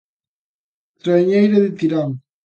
Traiñeira de Tirán.